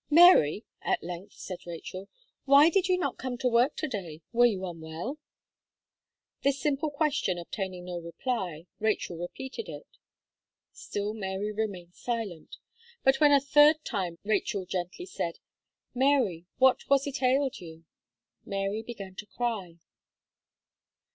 "Mary!" at length said Rachel, "why did you not come to work to day, were you unwell?" This simple question obtaining no reply, Rachel repeated it; still Mary remained silent, but when a third time Rachel gently said: "Mary what was it ailed you?" Mary began to cry.